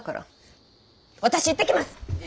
私言ってきます。